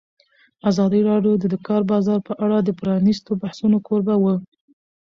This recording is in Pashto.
ازادي راډیو د د کار بازار په اړه د پرانیستو بحثونو کوربه وه.